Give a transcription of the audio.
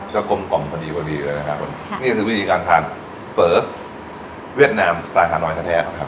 จะกลมกล่อมพอดีกว่าดีเลยนะครับค่ะนี่ก็คือวิธีการทานเฟอร์เวียดนามสไตล์ฮาโนย์แท้แท้ครับ